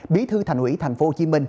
bí thư thành ủy tp hcm